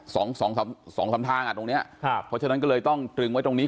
สองสองสามสองสามทางอ่ะตรงเนี้ยครับเพราะฉะนั้นก็เลยต้องตรึงไว้ตรงนี้